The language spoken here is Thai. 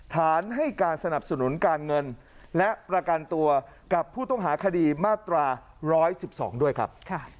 ฐานให้การสนับสนุนการเงินและประกันตัวกับผู้ต้องหาคดีมาตรา๑๑๒ด้วยครับ